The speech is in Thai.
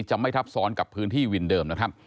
ไม่ทับซ้อนกับพื้นที่วินเดิมนะครับ